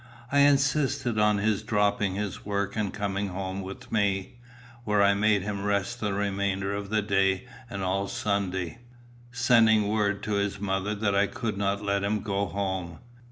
I insisted on his dropping his work and coming home with me, where I made him rest the remainder of the day and all Sunday, sending word to his mother that I could not let him go home.